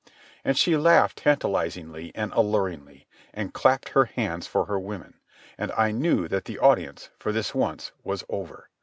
And she laughed tantalizingly and alluringly, and clapped her hands for her women, and I knew that the audience, for this once, was over.